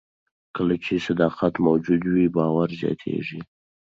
کله چې صداقت موجود وي، باور زیاتېږي.